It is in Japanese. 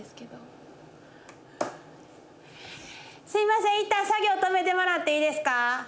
すいません一旦作業止めてもらっていいですか。